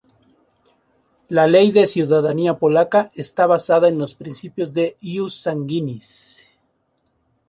La ley de ciudadanía polaca está basada en los principios de "ius sanguinis".